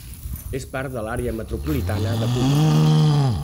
És part de l'Àrea Metropolitana de Cúcuta.